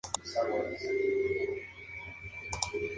La estación estará equipada con ascensores y escaleras mecánicas.